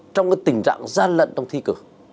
trong tình trạng gian lận trong thi cử